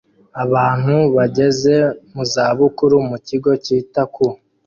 Abantu bageze mu zabukuru mu kigo cyita ku